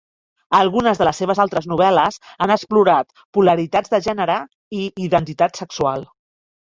Algunes de les seves altres novel·les han explorat polaritats de gènere i identitat sexual.